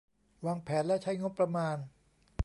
วางแผนและใช้งบประมาณ